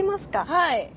はい！